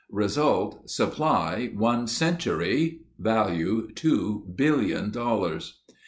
Result, supply one century; value two billion dollars.